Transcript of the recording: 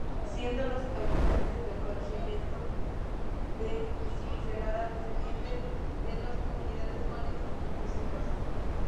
Siendo los habitantes del corregimiento de cincelada descendientes de los comunidades guanes y muiscas.